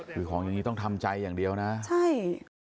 คือของอย่างนี้ต้องทำใจอย่างเดียวนะใช่